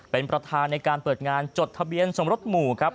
เป็นประธานในการเปิดงานจดทะเบียนสมรสหมู่ครับ